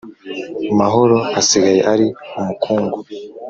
mahoro asigaye ari umukungu.